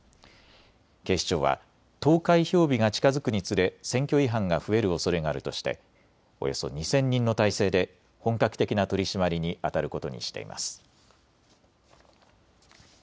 警視庁は投開票日が近づくにつれ選挙違反が増えるおそれがあるとしておよそ２０００人の態勢で本格的な取締りにあたることにしています。